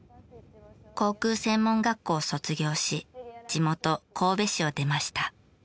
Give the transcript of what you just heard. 航空専門学校を卒業し地元神戸市を出ました。